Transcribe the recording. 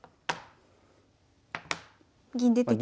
銀出てきました。